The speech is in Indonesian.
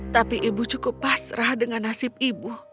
tapi ibu cukup pasrah dengan nasib ibu